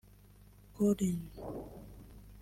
Collin